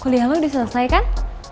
kuliah lo udah selesai kan